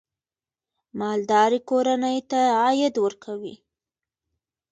مالداري کورنۍ ته عاید ورکوي.